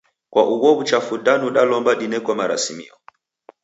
Kwa ugho w'uchafu danu dalomba dineko marasimio?